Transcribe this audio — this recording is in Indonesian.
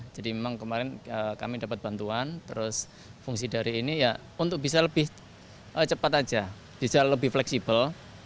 jadi memang kemarin kami dapat bantuan terus fungsi dari ini ya untuk bisa lebih cepat aja bisa lebih fleksibel